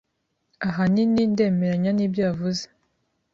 Ahanini, ndemeranya nibyo yavuze.